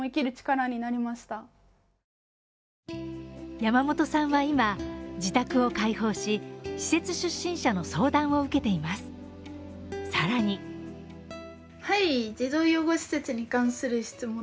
山本さんは今、自宅を開放し、施設出身者の相談を受けています。